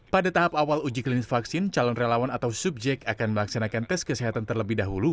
pada tahap awal uji klinis vaksin calon relawan atau subjek akan melaksanakan tes kesehatan terlebih dahulu